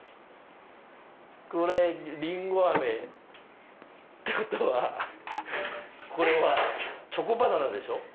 これリンゴ飴ってことはこれはチョコバナナでしょ？